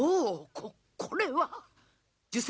ここれはあ！